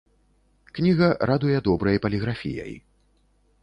Кніга радуе добрай паліграфіяй.